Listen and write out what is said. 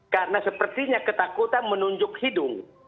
karena sepertinya ketakutan menunjuk hidung